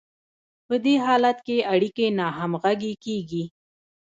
په دې حالت کې اړیکې ناهمغږې کیږي.